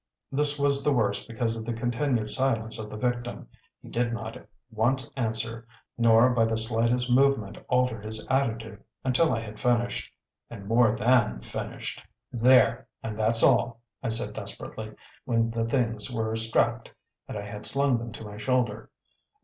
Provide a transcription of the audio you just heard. This was the worse because of the continued silence of the victim: he did not once answer, nor by the slightest movement alter his attitude until I had finished and more than finished. "There and that's all!" I said desperately, when the things were strapped and I had slung them to my shoulder.